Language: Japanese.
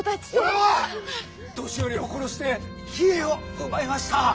俺は年寄りを殺してひえを奪いました！